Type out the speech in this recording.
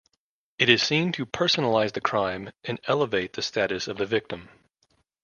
It is seen to personalize the crime and elevate the status of the victim.